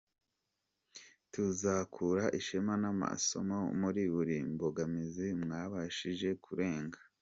Tuzakura ishema n’amasomo muri buri mbogamizi mwabashije kurenga.